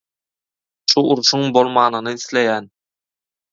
Şu urşuň bolmanyny isleýän.